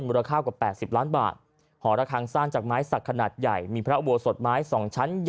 ราคากว่า๘๐ล้านบาทหอระคังสร้างจากไม้สักขนาดใหญ่มีพระอุโบสถไม้๒ชั้น๒